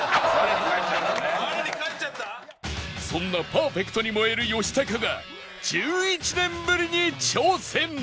そんなパーフェクトに燃える吉高が１１年ぶりに挑戦